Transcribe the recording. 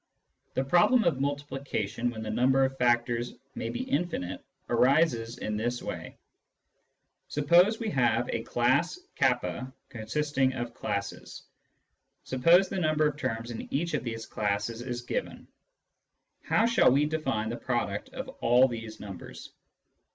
The problem of multiplication when the number of factors may be infinite arises in this way : Suppose we have a class k consisting of classes ; suppose the number of terms in each of these classes is given. How shall we define the product of all these numbers